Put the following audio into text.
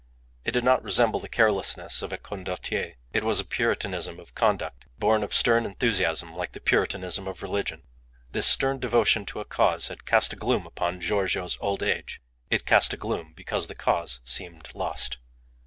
It did not resemble the carelessness of a condottiere, it was a puritanism of conduct, born of stern enthusiasm like the puritanism of religion. This stern devotion to a cause had cast a gloom upon Giorgio's old age. It cast a gloom because the cause seemed lost.